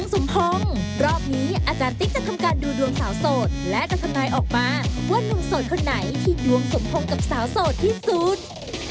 สาวโสดที่สูตร